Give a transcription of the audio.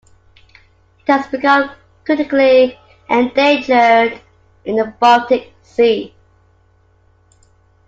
It has become critically endangered in the Baltic Sea.